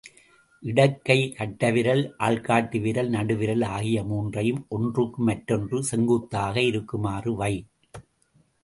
இடக்கைக் கட்டைவிரல், ஆள்காட்டி விரல், நடுவிரல் ஆகிய மூன்றையும் ஒன்றுக்கு மற்றொன்று செங்குத்தாக இருக்குமாறு வை.